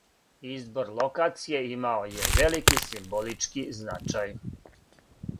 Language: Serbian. Избор локације имао је велики симболички значај.